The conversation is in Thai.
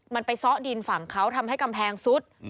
มันไปซ้อดินฝั่งเขาทำให้กำแพงซุด